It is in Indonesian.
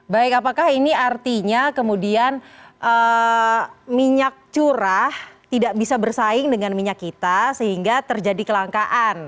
baik apakah ini artinya kemudian minyak curah tidak bisa bersaing dengan minyak kita sehingga terjadi kelangkaan